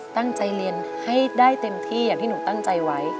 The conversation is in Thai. ตั้งใจเรียนให้ได้เต็มที่อย่างที่หนูตั้งใจไว้